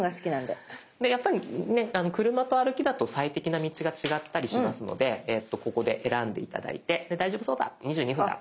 でやっぱりね車と歩きだと最適な道が違ったりしますのでここで選んで頂いてで大丈夫そうだ２２分だ。